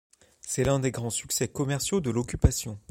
C'est un des grands succès commerciaux de l'Occupation.